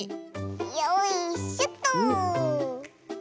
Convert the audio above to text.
よいしょっと。